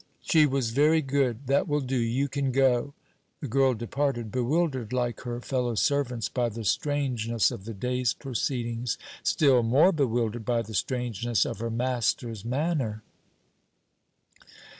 "She was very good. That will do; you can go." The girl departed, bewildered like her fellow servants by the strangeness of the day's proceedings, still more bewildered by the strangeness of her master's manner.